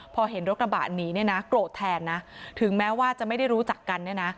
พอเห็นรถกระบะหนีเนี่ยนะโกรธแทนนะถึงแม้ว่าจะไม่ได้รู้จักกันเนี่ยนะ